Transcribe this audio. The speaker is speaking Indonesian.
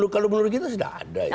kalau menurut kita sudah ada